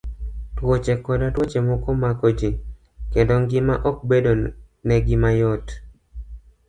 Tuoche koda tuoche moko mako ji, kendo ngima ok bedonegi mayot.